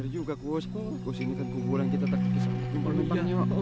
juga kusus kuburan kita tak bisa numpang